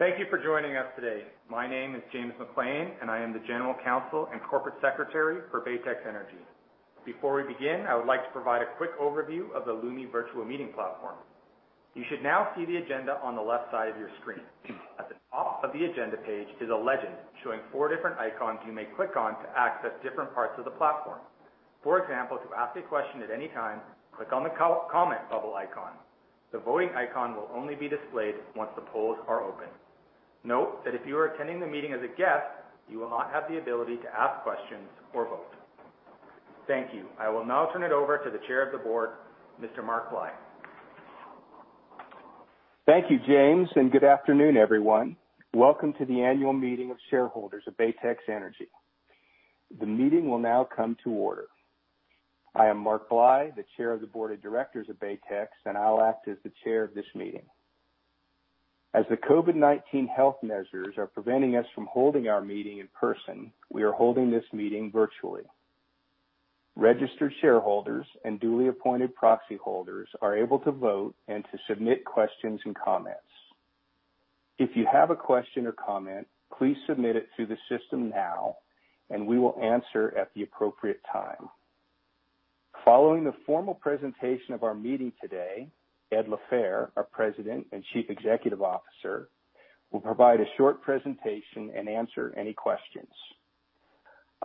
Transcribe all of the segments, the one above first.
Thank you for joining us today. My name is James Maclean, and I am the General Counsel and Corporate Secretary for Baytex Energy. Before we begin, I would like to provide a quick overview of the Lumi virtual meeting platform. You should now see the agenda on the left side of your screen. At the top of the agenda page is a legend showing four different icons you may click on to access different parts of the platform. For example, to ask a question at any time, click on the comment bubble icon. The voting icon will only be displayed once the polls are open. Note that if you are attending the meeting as a guest, you will not have the ability to ask questions or vote. Thank you. I will now turn it over to the Chair of the Board, Mr. Mark Bly. Thank you, James, and good afternoon, everyone. Welcome to the Annual Meeting of Shareholders of Baytex Energy. The meeting will now come to order. I am Mark Bly, the Chair of the Board of Directors of Baytex, and I'll act as the Chair of this meeting. As the COVID-19 health measures are preventing us from holding our meeting in person, we are holding this meeting virtually. Registered shareholders and duly appointed proxy holders are able to vote and to submit questions and comments. If you have a question or comment, please submit it through the system now, and we will answer at the appropriate time. Following the formal presentation of our meeting today, Ed LaFehr, our President and Chief Executive Officer, will provide a short presentation and answer any questions.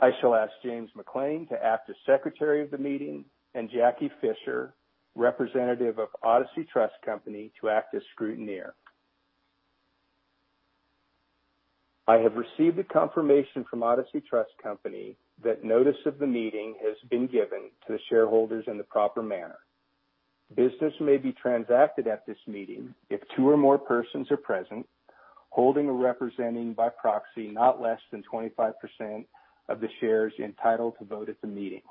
I shall ask James Maclean to act as Secretary of the meeting and Jackie Fisher, Representative of Odyssey Trust Company, to act as Scrutineer. I have received a confirmation from Odyssey Trust Company that notice of the meeting has been given to the shareholders in the proper manner. Business may be transacted at this meeting if two or more persons are present, holding or representing by proxy not less than 25% of the shares entitled to vote at the meeting.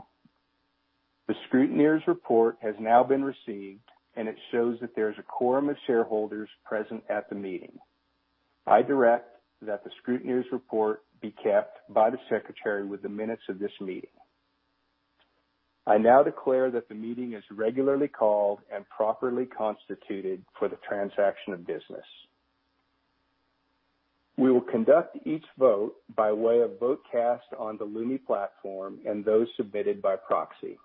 The Scrutineer's report has now been received, and it shows that there is a quorum of shareholders present at the meeting. I direct that the Scrutineer's report be kept by the Secretary with the minutes of this meeting. I now declare that the meeting is regularly called and properly constituted for the transaction of business. We will conduct each vote by way of vote cast on the Lumi platform and those submitted by proxy.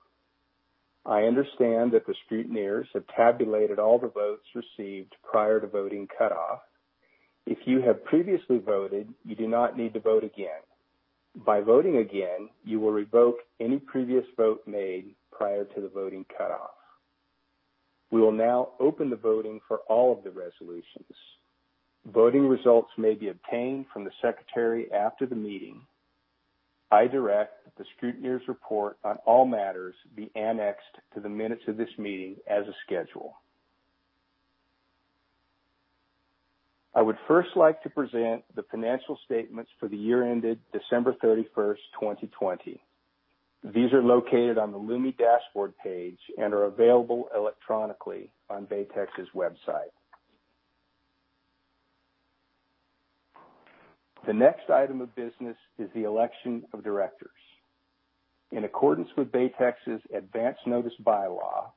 I understand that the Scrutineers have tabulated all the votes received prior to voting cutoff. If you have previously voted, you do not need to vote again. By voting again, you will revoke any previous vote made prior to the voting cutoff. We will now open the voting for all of the resolutions. Voting results may be obtained from the Secretary after the meeting. I direct that the Scrutineer's report on all matters be annexed to the minutes of this meeting as a schedule. I would first like to present the financial statements for the year ended December 31st, 2020. These are located on the Lumi dashboard page and are available electronically on Baytex's website. The next item of business is the election of directors. In accordance with Baytex's Advance Notice bylaw,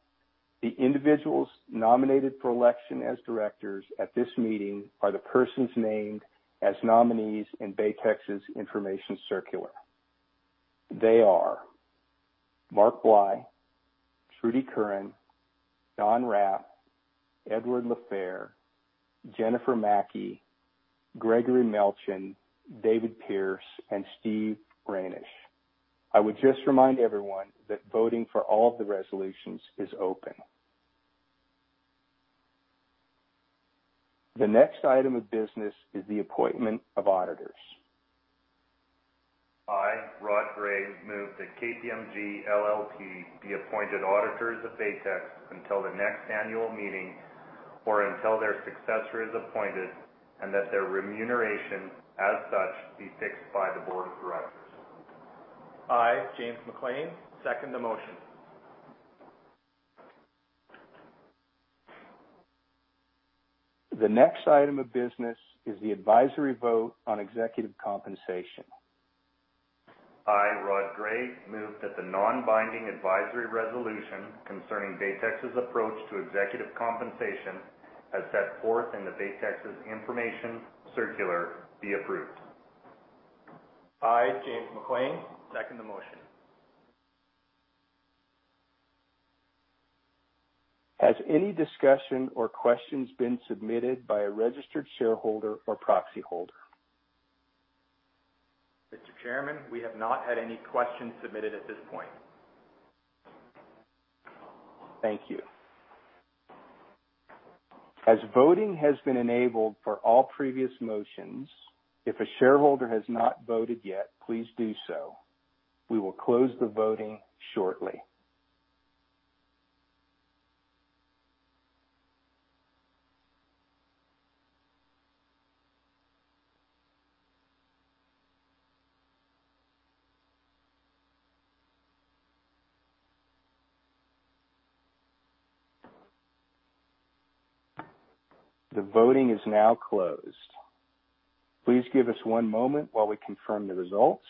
the individuals nominated for election as directors at this meeting are the persons named as nominees in Baytex's information circular. They are Mark Bly, Trudy Curran, Don Hrap, Ed LaFehr, Jennifer Maki, Gregory Melchin, David Pearce, and Steve Reynish. I would just remind everyone that voting for all of the resolutions is open. The next item of business is the appointment of auditors. I, Rod Gray, move that KPMG LLP be appointed auditors of Baytex until the next annual meeting or until their successor is appointed and that their remuneration as such be fixed by the Board of Directors. I, James Maclean, second the motion. The next item of business is the advisory vote on executive compensation. I, Rod Gray, move that the non-binding advisory resolution concerning Baytex's approach to executive compensation as set forth in the Baytex's information circular be approved. I, James Maclean, second the motion. Has any discussion or questions been submitted by a registered shareholder or proxy holder? Mr. Chairman, we have not had any questions submitted at this point. Thank you. As voting has been enabled for all previous motions, if a shareholder has not voted yet, please do so. We will close the voting shortly. The voting is now closed. Please give us one moment while we confirm the results.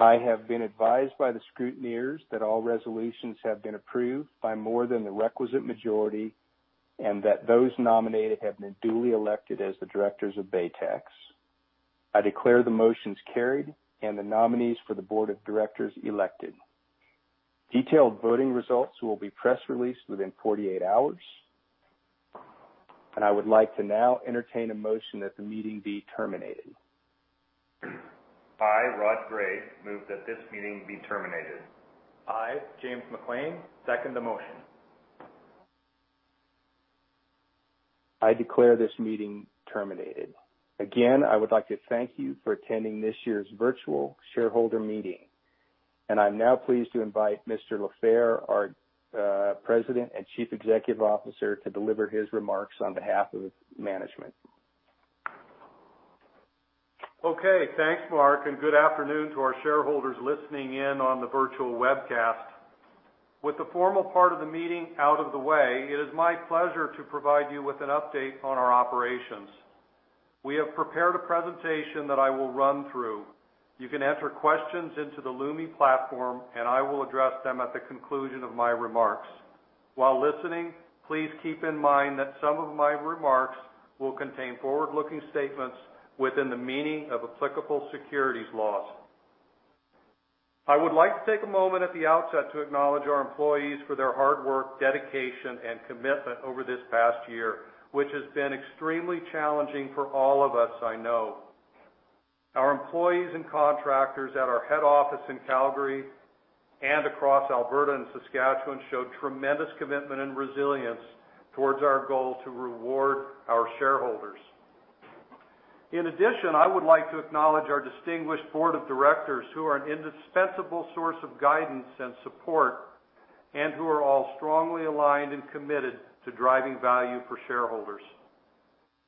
I have been advised by the Scrutineers that all resolutions have been approved by more than the requisite majority and that those nominated have been duly elected as the directors of Baytex. I declare the motions carried and the nominees for the Board of Directors elected. Detailed voting results will be press released within 48 hours, and I would like to now entertain a motion that the meeting be terminated. I, Rod Gray, move that this meeting be terminated. I, James Maclean, second the motion. I declare this meeting terminated. Again, I would like to thank you for attending this year's virtual shareholder meeting, and I'm now pleased to invite Mr. LaFehr, our President and Chief Executive Officer, to deliver his remarks on behalf of management. Okay, thanks, Mark, and good afternoon to our shareholders listening in on the virtual webcast. With the formal part of the meeting out of the way, it is my pleasure to provide you with an update on our operations. We have prepared a presentation that I will run through. You can enter questions into the Lumi platform, and I will address them at the conclusion of my remarks. While listening, please keep in mind that some of my remarks will contain forward-looking statements within the meaning of applicable securities laws. I would like to take a moment at the outset to acknowledge our employees for their hard work, dedication, and commitment over this past year, which has been extremely challenging for all of us, I know. Our employees and contractors at our head office in Calgary and across Alberta and Saskatchewan showed tremendous commitment and resilience towards our goal to reward our shareholders. In addition, I would like to acknowledge our distinguished Board of Directors who are an indispensable source of guidance and support and who are all strongly aligned and committed to driving value for shareholders.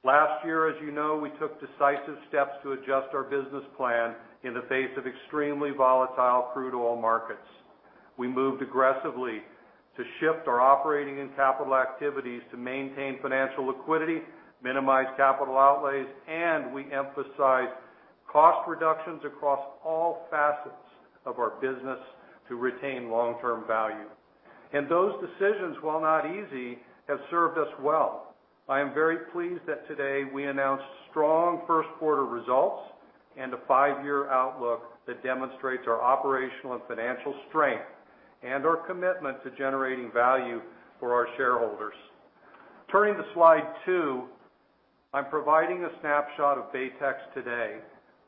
Last year, as you know, we took decisive steps to adjust our business plan in the face of extremely volatile crude oil markets. We moved aggressively to shift our operating and capital activities to maintain financial liquidity, minimize capital outlays, and we emphasized cost reductions across all facets of our business to retain long-term value, and those decisions, while not easy, have served us well. I am very pleased that today we announced strong first-quarter results and a five-year outlook that demonstrates our operational and financial strength and our commitment to generating value for our shareholders. Turning to slide two, I'm providing a snapshot of Baytex today.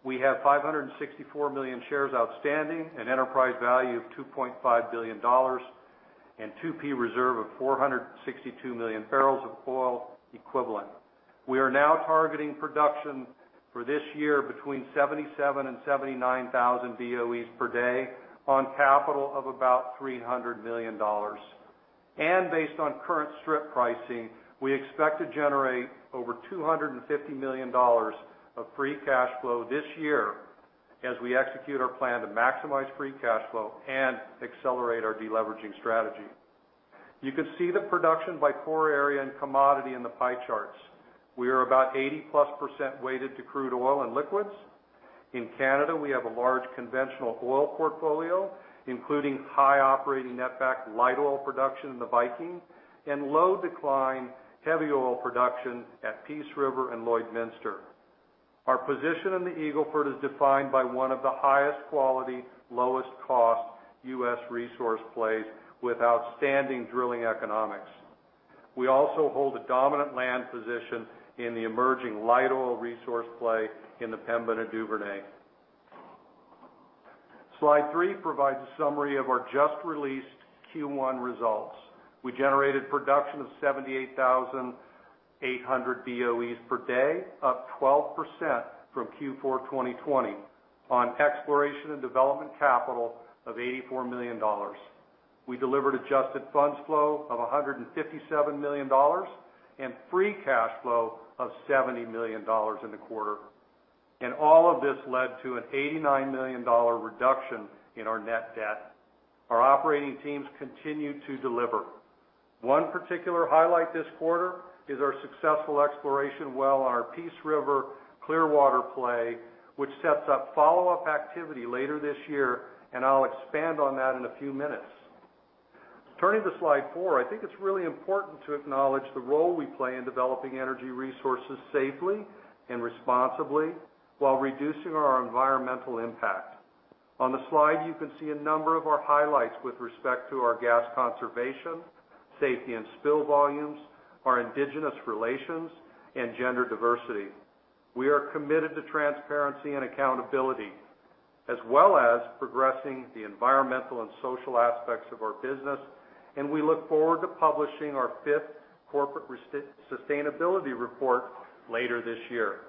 We have 564 million shares outstanding, an enterprise value of 2.5 billion dollars, and 2P reserve of 462 million barrels of oil equivalent. We are now targeting production for this year between 77,000 and 79,000 BOEs per day on capital of about 300 million dollars. And based on current strip pricing, we expect to generate over 250 million dollars of free cash flow this year as we execute our plan to maximize free cash flow and accelerate our deleveraging strategy. You can see the production by core area and commodity in the pie charts. We are about 80%+ weighted to crude oil and liquids. In Canada, we have a large conventional oil portfolio, including high operating netback light oil production in the Viking and low decline heavy oil production at Peace River and Lloydminster. Our position in the Eagle Ford is defined by one of the highest quality, lowest cost U.S. resource plays with outstanding drilling economics. We also hold a dominant land position in the emerging light oil resource play in the Pembina and Duvernay. Slide three provides a summary of our just released Q1 results. We generated production of 78,800 BOEs per day, up 12% from Q4 2020 on exploration and development capital of $84 million. We delivered adjusted funds flow of $157 million and free cash flow of $70 million in the quarter. All of this led to an $89 million reduction in our net debt. Our operating teams continue to deliver. One particular highlight this quarter is our successful exploration well on our Peace River Clearwater play, which sets up follow-up activity later this year, and I'll expand on that in a few minutes. Turning to slide four, I think it's really important to acknowledge the role we play in developing energy resources safely and responsibly while reducing our environmental impact. On the slide, you can see a number of our highlights with respect to our gas conservation, safety and spill volumes, our Indigenous relations, and gender diversity. We are committed to transparency and accountability, as well as progressing the environmental and social aspects of our business, and we look forward to publishing our fifth corporate sustainability report later this year.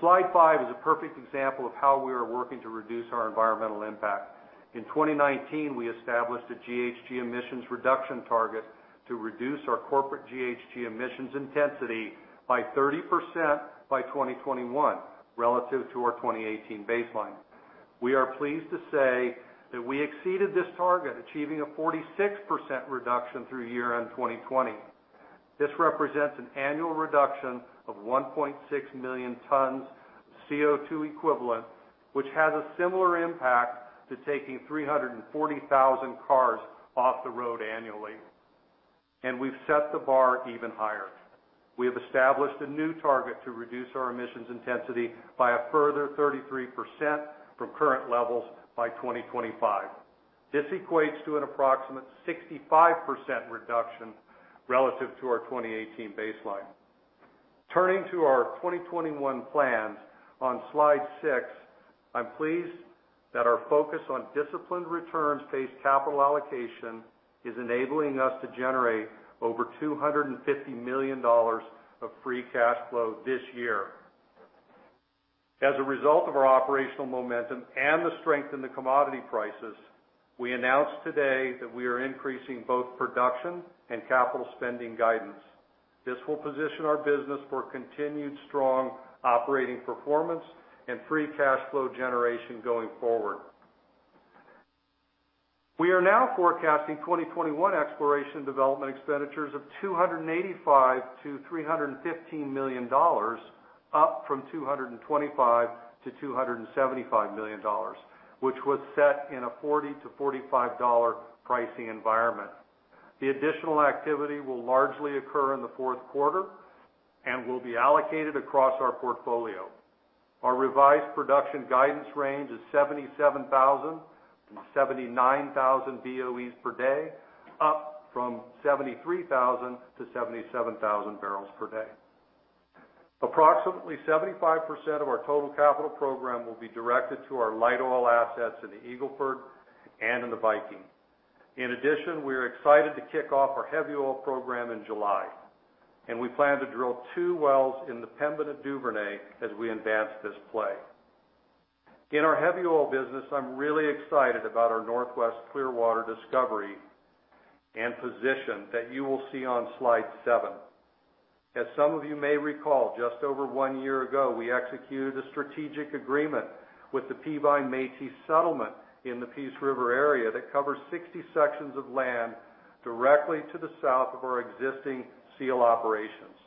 Slide five is a perfect example of how we are working to reduce our environmental impact. In 2019, we established a GHG emissions reduction target to reduce our corporate GHG emissions intensity by 30% by 2021 relative to our 2018 baseline. We are pleased to say that we exceeded this target, achieving a 46% reduction through year-end 2020. This represents an annual reduction of 1.6 million tons of CO2 equivalent, which has a similar impact to taking 340,000 cars off the road annually. and we've set the bar even higher. We have established a new target to reduce our emissions intensity by a further 33% from current levels by 2025. This equates to an approximate 65% reduction relative to our 2018 baseline. Turning to our 2021 plans, on slide six, I'm pleased that our focus on disciplined returns-based capital allocation is enabling us to generate over 250 million dollars of free cash flow this year. As a result of our operational momentum and the strength in the commodity prices, we announced today that we are increasing both production and capital spending guidance. This will position our business for continued strong operating performance and free cash flow generation going forward. We are now forecasting 2021 exploration development expenditures of 285-315 million dollars, up from 225 million- 275 million dollars, which was set in a 40-45 dollar pricing environment. The additional activity will largely occur in the fourth quarter and will be allocated across our portfolio. Our revised production guidance range is 77,000-79,000 BOEs per day, up from 73,000-77,000 barrels per day. Approximately 75% of our total capital program will be directed to our light oil assets in the Eagle Ford and in the Viking. In addition, we are excited to kick off our heavy oil program in July, and we plan to drill two wells in the Pembina and Duvernay as we advance this play. In our heavy oil business, I'm really excited about our Northwest Clearwater Discovery and position that you will see on slide seven. As some of you may recall, just over one year ago, we executed a strategic agreement with the Peavine Métis Settlement in the Peace River area that covers 60 sections of land directly to the south of our existing Seal operations.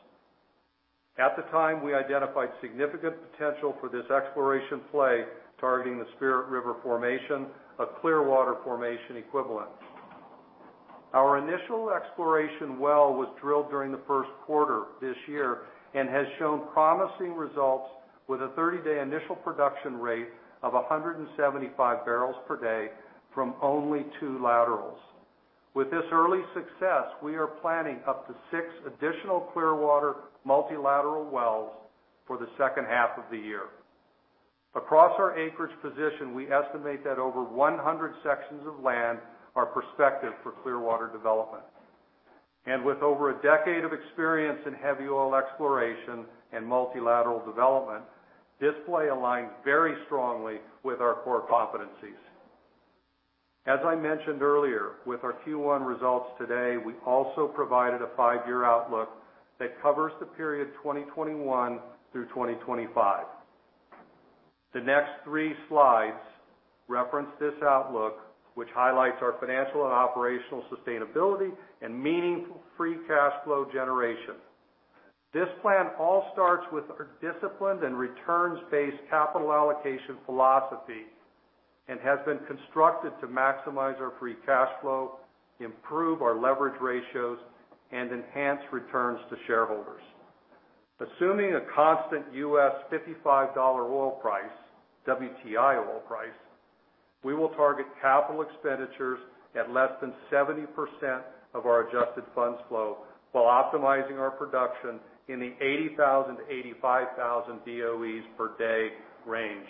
At the time, we identified significant potential for this exploration play targeting the Spirit River Formation, a Clearwater Formation equivalent. Our initial exploration well was drilled during the first quarter this year and has shown promising results with a 30-day initial production rate of 175 barrels per day from only two laterals. With this early success, we are planning up to six additional Clearwater multilateral wells for the second half of the year. Across our acreage position, we estimate that over 100 sections of land are prospective for Clearwater development, and with over a decade of experience in heavy oil exploration and multilateral development, this play aligns very strongly with our core competencies. As I mentioned earlier, with our Q1 results today, we also provided a five-year outlook that covers the period 2021 through 2025. The next three slides reference this outlook, which highlights our financial and operational sustainability and meaningful free cash flow generation. This plan all starts with our disciplined and returns-based capital allocation philosophy and has been constructed to maximize our free cash flow, improve our leverage ratios, and enhance returns to shareholders. Assuming a constant U.S. $55 oil price, WTI oil price, we will target capital expenditures at less than 70% of our adjusted funds flow while optimizing our production in the 80,000-85,000 BOEs per day range.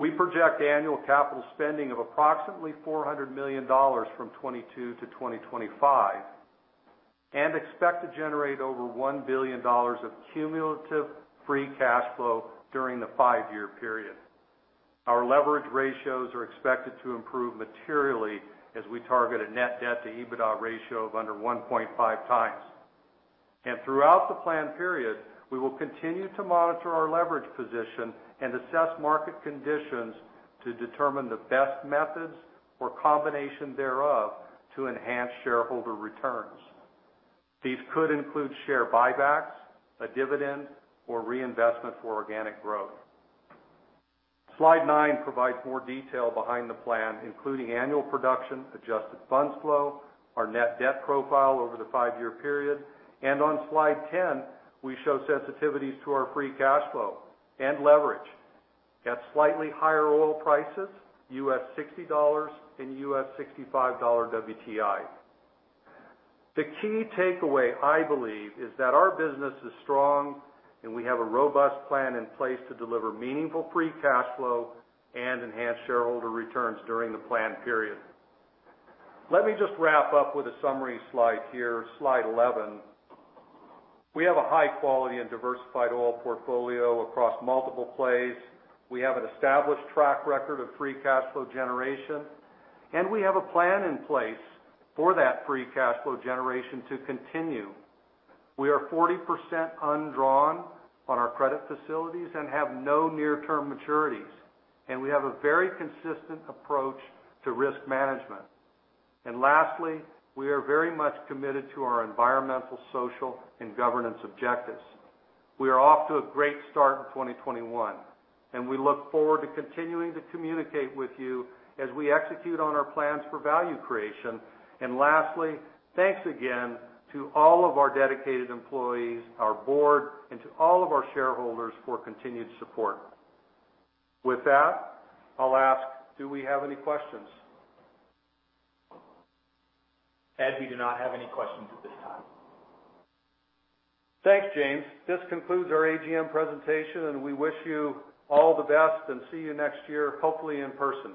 We project annual capital spending of approximately $400 million from 2022 to 2025 and expect to generate over $1 billion of cumulative free cash flow during the five-year period. Our leverage ratios are expected to improve materially as we target a net debt-to-EBITDA ratio of under 1.5 times. And throughout the planned period, we will continue to monitor our leverage position and assess market conditions to determine the best methods or combination thereof to enhance shareholder returns. These could include share buybacks, a dividend, or reinvestment for organic growth. Slide nine provides more detail behind the plan, including annual production, adjusted funds flow, our net debt profile over the five-year period, and on slide 10, we show sensitivities to our free cash flow and leverage at slightly higher oil prices, U.S. $60 and U.S. $65 WTI. The key takeaway, I believe, is that our business is strong and we have a robust plan in place to deliver meaningful free cash flow and enhance shareholder returns during the planned period. Let me just wrap up with a summary slide here, slide 11. We have a high-quality and diversified oil portfolio across multiple plays. We have an established track record of free cash flow generation, and we have a plan in place for that free cash flow generation to continue. We are 40% undrawn on our credit facilities and have no near-term maturities, and we have a very consistent approach to risk management. And lastly, we are very much committed to our environmental, social, and governance objectives. We are off to a great start in 2021, and we look forward to continuing to communicate with you as we execute on our plans for value creation. And lastly, thanks again to all of our dedicated employees, our board, and to all of our shareholders for continued support. With that, I'll ask, do we have any questions? Ed, we do not have any questions at this time. Thanks, James. This concludes our AGM presentation, and we wish you all the best and see you next year, hopefully in person.